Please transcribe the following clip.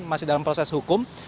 masih dalam proses hukum